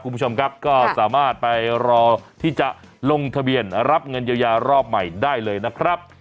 คุณผู้ชมครับก็สามารถไปรอที่จะลงทะเบียนรับเงินเยียวยารอบใหม่ได้เลยนะครับ